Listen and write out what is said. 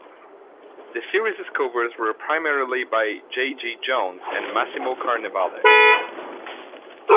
The series's covers were primarily by J. G. Jones and Massimo Carnevale.